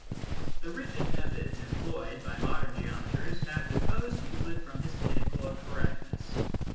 The rigid methods employed by modern geometers have deposed Euclid from his pinnacle of correctness.